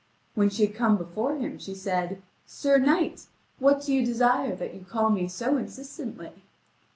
When she had come before him, she said: "Sir knight, what do you desire that you call me so insistently?"